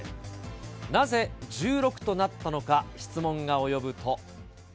なぜ１６となったのか、質問が及ぶと。